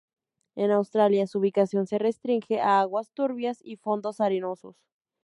En Australia su ubicación se restringe a aguas turbias y fondos arenosos.